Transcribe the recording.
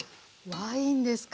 ワインですか！